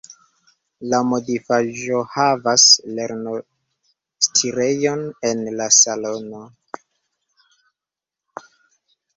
La modifaĵohavas lernostirejon en la salono.